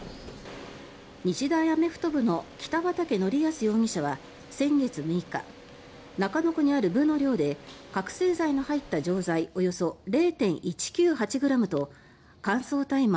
日大アメフト部の北畠成文容疑者は先月６日中野区にある部の寮で覚醒剤の入った錠剤およそ０．１９８ｇと乾燥大麻